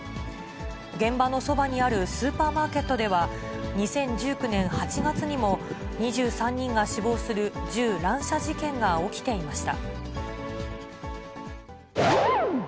現場のそばにあるスーパーマーケットでは、２０１９年８月にも、２３人が死亡する銃乱射事件が起きていました。